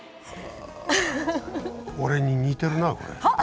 俺に似てるなこれ。